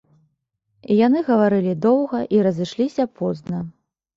Яны гаварылі доўга і разышліся позна.